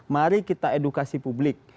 mari kita edukasi publik